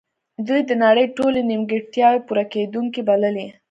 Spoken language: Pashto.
دوی د نړۍ ټولې نیمګړتیاوې پوره کیدونکې بللې